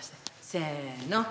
せの。